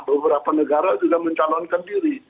beberapa negara sudah mencalonkan diri